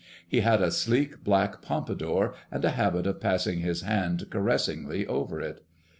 He had a sleek black pompadour, and a habit of passing his hand caressingly over it.